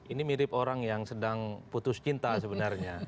ini mirip orang yang sedang putus cinta sebenarnya